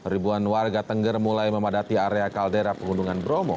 ribuan warga tengger mulai memadati area kaldera pegunungan bromo